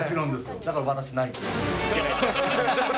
だから私ない。